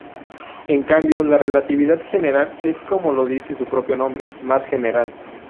En cambio, la relatividad general es, como lo dice su propio nombre, más general.